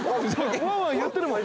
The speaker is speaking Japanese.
ワンワン言ってるもん